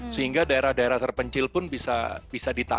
sehingga daerah daerah terpencil pun bisa ditawarkan